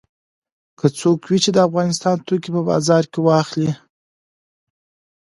که څوک وي چې د افغانستان توکي په بازار کې واخلي.